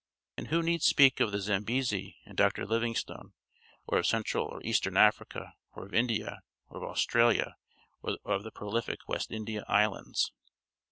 And who need speak of the Zambesi and Dr. Livingston, or of Central or Eastern Africa; of India, or Australia, or of the prolific West India Islands?